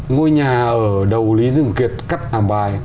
ngôi nhà ở đầu lý dương kiệt cắt hàng bài